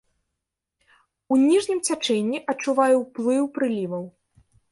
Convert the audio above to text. У ніжнім цячэнні адчувае ўплыў прыліваў.